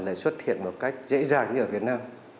lại xuất hiện một cách dễ dàng như ở việt nam